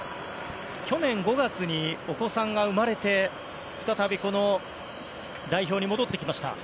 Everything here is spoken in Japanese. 去年５月にお子さんが生まれて再び、この代表に戻ってきました。